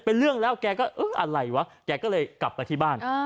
เป็นเรื่องแล้วแกก็เอออะไรวะแกก็เลยกลับไปที่บ้าน